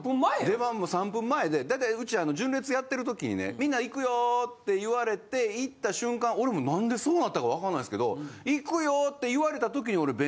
出番も３分前で大体うち純烈やってる時にね「みんな行くよ」って言われていった瞬間俺も何でそうなったか分かんないすけど。